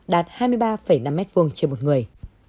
đạt hai mươi ba năm m hai trên một người